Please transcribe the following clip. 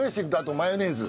マヨネーズ！